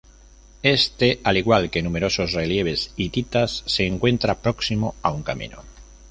Este, al igual que numerosos relieves hititas, se encuentra próximo a un camino.